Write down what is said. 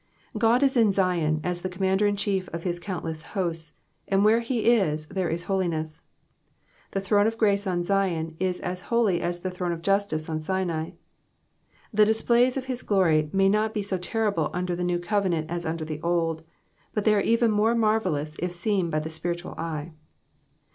God is in Zion as the Commander in chief of his countless hosts, and where he is, there is holiness. The throne of grace on Zion is as holy as the throne of justice on Sinai. The displays of his glory may not Digitized by VjOOQIC PSALM THE SIXTY EIGHTH. 221 be BO terrible under tbe new covenant as under the old ; but they are even more marvellous if seen by the spiritual eye.